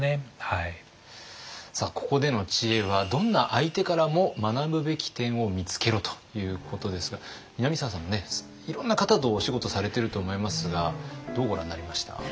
さあここでの知恵は「どんな相手からも学ぶべき点を見つけろ！」ということですが南沢さんもねいろんな方とお仕事されてると思いますがどうご覧になりました？